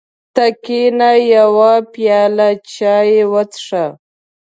ته کېنه یوه پیاله چای وڅښه.